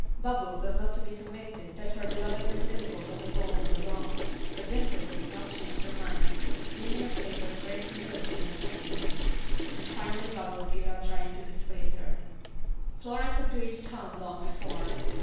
Bubbles was not to be convinced that her beloved Miss Dimple was at all in the wrong, but Dimple would not change her mind, being in a state of great humility and penitence, and finally Bubbles gave up trying to dissuade her. Florence had reached home long before.